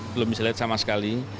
belum bisa lihat sama sekali